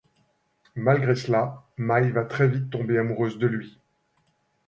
Malgré cela, Mai va très vite tomber amoureuse de lui.